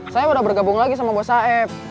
saya udah bergabung lagi sama bos aeb